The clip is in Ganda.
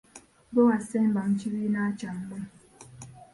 Ggwe wasemba mu kibiina kyammwe?